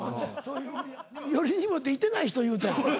よりによっていてない人言うた。